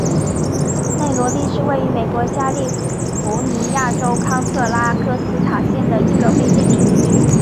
内罗利是位于美国加利福尼亚州康特拉科斯塔县的一个非建制地区。